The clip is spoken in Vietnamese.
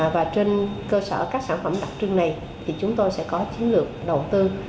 và trên cơ sở các sản phẩm đặc trưng này thì chúng tôi sẽ có chiến lược đầu tư